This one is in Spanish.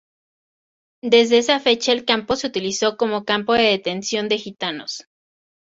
Desde esa fecha el campo se utilizó como campo de detención de gitanos.